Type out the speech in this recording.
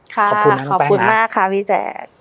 ค่ะขอบคุณมากค่ะพี่แจก